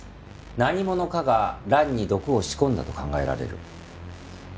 何者かが蘭に毒を仕込んだと考えられる。